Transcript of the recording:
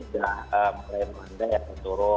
ya mulai mulai yang turun